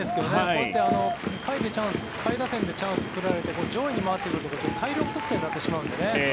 こうやって下位打線でチャンスを作られて上位に回ってくると大量得点になってしまうのでね。